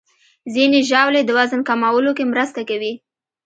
ځینې ژاولې د وزن کمولو کې مرسته کوي.